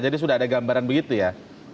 jadi sudah ada gambaran begitu ya